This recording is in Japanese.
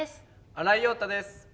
新井庸太です。